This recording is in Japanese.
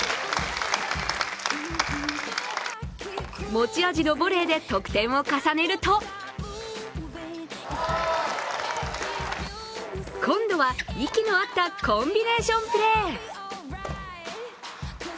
持ち味のボレーで得点を重ねると今度は息の合ったコンビネーションプレー。